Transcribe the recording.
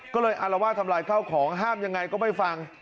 ก็เลยอารวาสทำลายข้าวของห้ามยังไงก็ไม่ฟัง